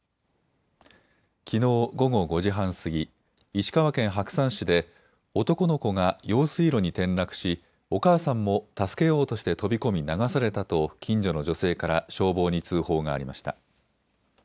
きのう午後５時半過ぎ、石川県白山市で男の子が用水路に転落しお母さんも助けようとして飛び込み流されたと近所の女性から消防に通報がありました。